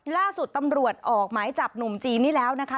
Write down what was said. ล่าสุดตำรวจออกหมายจับหนุ่มจีนนี่แล้วนะคะ